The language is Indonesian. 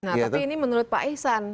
nah tapi ini menurut pak ihsan